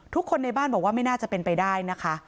ทุกคนในบ้านบอกว่าไม่น่าจะเป็นไปได้นะคะ